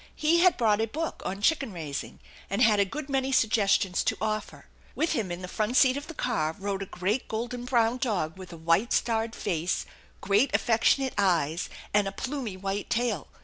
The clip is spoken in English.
He had brought a book on chicken raising and had a good many suggestions to offer. With him in the fror x seat of the car rode a great golden brown dog with a white starred face, great affectionate eyes, and a plumy white tail.